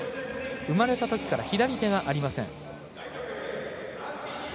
生まれたときから左手がありません。